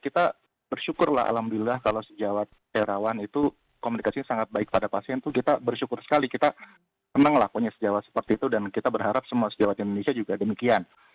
kita bersyukur lah alhamdulillah kalau sejawat terawan itu komunikasinya sangat baik pada pasien itu kita bersyukur sekali kita senang lakunya sejawat seperti itu dan kita berharap semua sejawat indonesia juga demikian